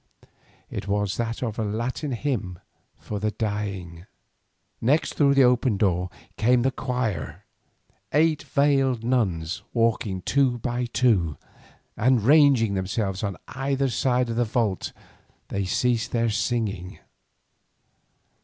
It was that of a Latin hymn for the dying. Next through the open door came the choir, eight veiled nuns walking two by two, and ranging themselves on either side of the vault they ceased their singing.